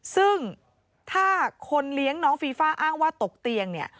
ซึ่งถ้าคนเลี้ยงน้องฟีฟ่าอ้างว่าตกเตียงเนี่ย